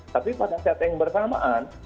tapi pada set yang bersamaan